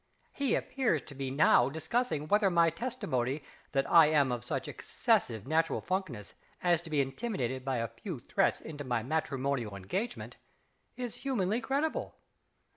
He appears to be now discussing whether my testimony that I am of such excessive natural funkiness as to be intimidated by a few threats into my matrimonial engagement is humanly credible....